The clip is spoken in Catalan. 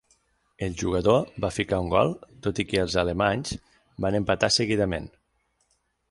El Jugador va ficar un gol tot i que els alemanys van empatar seguidament.